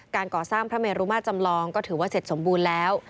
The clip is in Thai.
การก่อสร้างพระเมรุมาจำลองก็ถือว่าเสร็จสมบูรณ์แล้ว